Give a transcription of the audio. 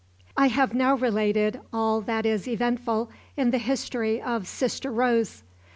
I have now related all that is eventful in the history of SISTER ROSE.